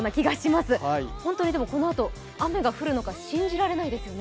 でもホントにこのあと雨が降るのか信じられないですよね。